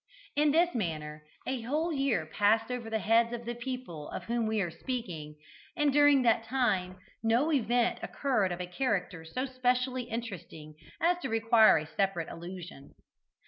In this manner a whole year passed over the heads of the people of whom we are speaking, and during that time no event occurred of a character so specially interesting as to require a separate allusion.